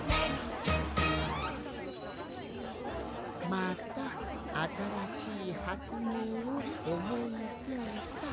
「またあたらしいはつめいをおもいついた。